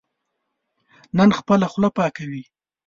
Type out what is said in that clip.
نن خپله خوله پاکوي.